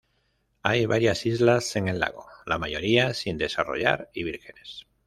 Hay varias islas en el lago, la mayoría sin desarrollar y vírgenes.